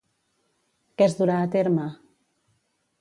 Què es durà a terme?